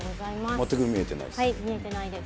全く見えてないです。